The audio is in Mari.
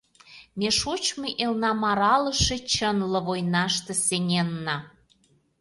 Ме шочмо элнам аралыше чынле войнаште сеҥенна.